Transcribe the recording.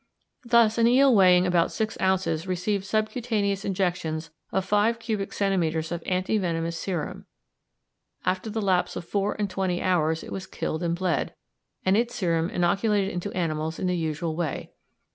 Thus, an eel weighing about six ounces received subcutaneous injections of five cubic centimetres of anti venomous serum; after the lapse of four and twenty hours it was killed and bled, and its serum inoculated into animals in the usual way.